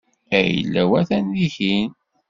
Ayla-w atan dihin.